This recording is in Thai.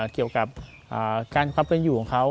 เกี่ยวกับการความเป็นอยู่ของเขา